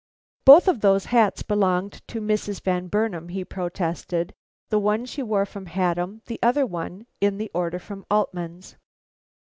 "Both of those hats belonged to Mrs. Van Burnam," he protested; "the one she wore from Haddam; the other was in the order from Altman's."